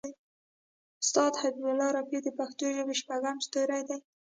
استاد حبیب الله رفیع د پښتو ژبې شپږم ستوری دی.